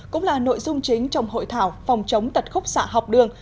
cũng là nội dung chính trong hội thảo phòng chống tật khúc xạ học đường